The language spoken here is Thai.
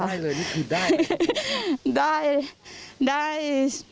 ได้เลยนี่คือได้ได้